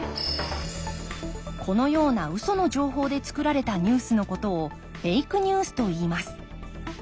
このようなウソの情報でつくられたニュースのことをフェイクニュースといいます。